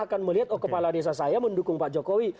akan melihat oh kepala desa saya mendukung pak jokowi